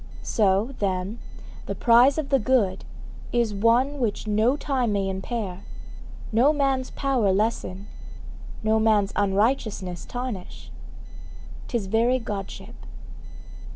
So, then, the prize of the good is one which no time may impair, no man's power lessen, no man's unrighteousness tarnish; 'tis very Godship.